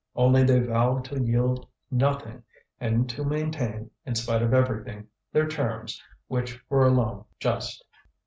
Only they vowed to yield nothing and to maintain, in spite of everything, their terms, which were alone just.